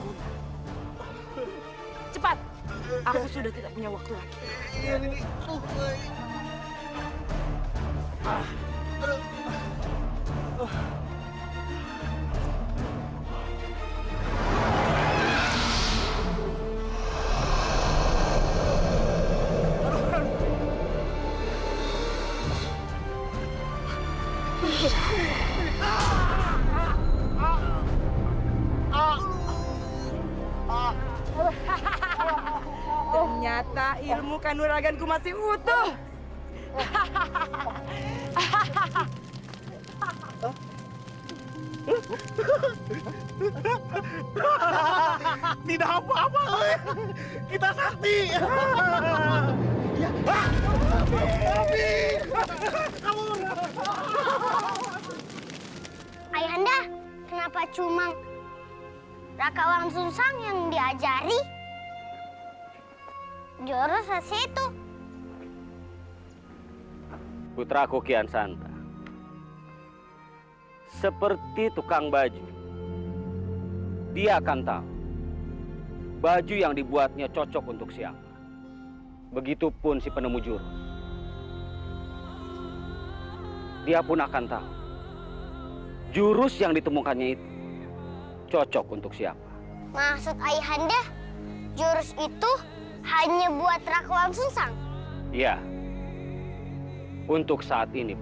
untung ayahanya melancarkan serangan ringan